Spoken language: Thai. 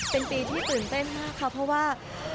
เป็นปีที่ตื่นเต้นมากค่ะเพราะว่า